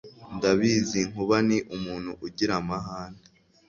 ndabizi Nkuba ni umuntu ugira amahane